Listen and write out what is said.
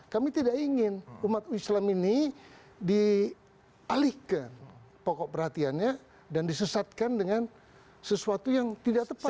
kami tidak ingin umat islam ini dialihkan pokok perhatiannya dan disesatkan dengan sesuatu yang tidak tepat